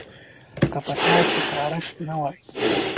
که په تا کې خارښت نه وای